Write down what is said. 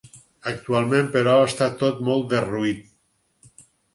Actualment, però, està tot molt derruït.